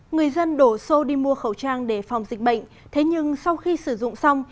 người dân đổ xô đi mua khẩu trang để phòng dịch bệnh thế nhưng sau khi sử dụng xong